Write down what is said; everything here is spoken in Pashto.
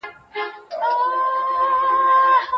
ما وویل چي بې وزله خلګ رښتیا وایي.